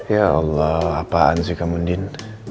ya allah apaan sih kamu din